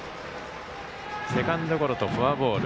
セカンドゴロとフォアボール。